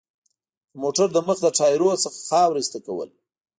د موټر د مخ له ټایرونو څخه خاوره ایسته کول.